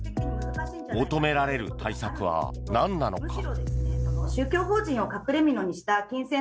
求められる対策は何なのか？